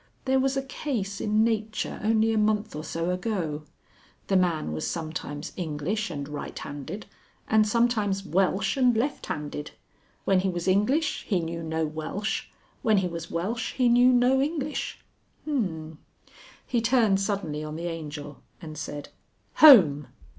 There was a case in Nature only a month or so ago. The man was sometimes English and right handed, and sometimes Welsh and left handed. When he was English he knew no Welsh, when he was Welsh he knew no English.... H'm." He turned suddenly on the Angel and said "Home!"